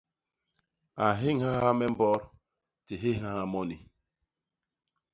A nhéñhaha me mbot; di nhéñhaha moni.